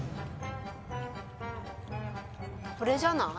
これじゃない？